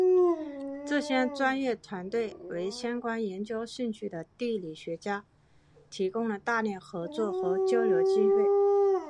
这些专业团体为相关研究兴趣的地理学家提供了大量合作和交流机会。